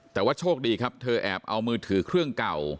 แต่ว่าโชคดีครับเธอแอบเอามือถือเครื่องเก่า